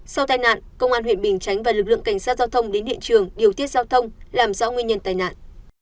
sau tai nạn công an huyện bình chánh và lực lượng cảnh sát giao thông đến hiện trường điều tiết giao thông làm rõ nguyên nhân tai nạn